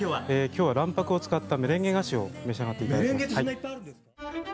今日は卵白を使ったメレンゲ菓子を召し上がって頂きます。